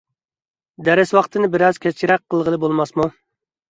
دەرس ۋاقتىنى بىرئاز كەچرەك قىلغىلى بولماسمۇ؟